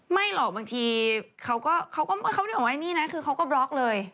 ไม่หรอกบางทีเขาไม่ได้บอกว่านี่นะคือเขาก็บล็อกเลย